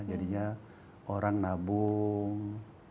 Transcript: jadinya orang nabung